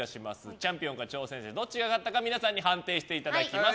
チャンピオンか挑戦者どっちが良かったか皆さんに判定していただきます。